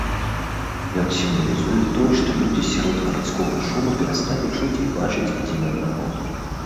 Ён сімвалізуе тое, што людзі сярод гарадскога шуму перасталі чуць і бачыць адзін аднаго.